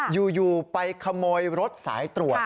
อยู่ไปขโมยรถสายตรวจ